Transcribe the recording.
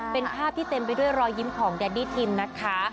เป็นภาพที่เต็มไปด้วยรอยยิ้มของแดดดี้ทิมนะคะ